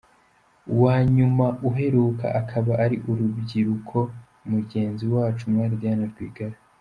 Uwanyuma uheruka akaba ari urubyiruko mugenzi wacu umwali Diane Rwigara.